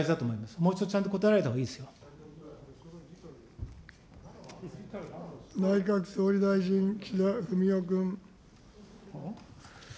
もう一度、ちゃんと答えられたほ内閣総理大臣、岸田文雄君。